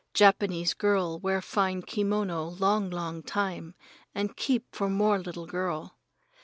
Japanese girl wear fine kimono long, long time, and keep for more little girl.